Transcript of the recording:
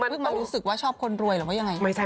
เพิ่งมารู้สึกว่าชอบคนรวยหรือว่ายังไง